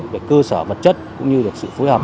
về cơ sở vật chất cũng như được sự phối hợp